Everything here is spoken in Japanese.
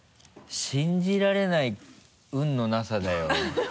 信じられない運のなさだよ。